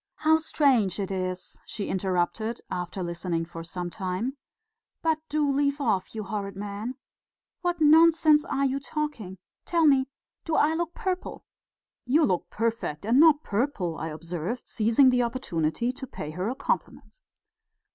"How strange it is," she interrupted, after listening for some time. "But do leave off, you horrid man. What nonsense you are talking.... Tell me, do I look purple?" "You look perfect, and not purple!" I observed, seizing the opportunity to pay her a compliment.